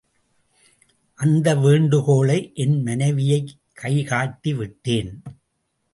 அந்த வேண்டுகோளை என் மனைவியைக் கைகாட்டி விட்டேன்.